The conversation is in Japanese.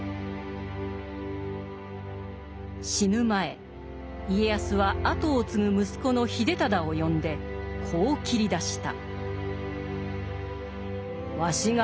死ぬ前家康は後を継ぐ息子の秀忠を呼んでこう切り出した。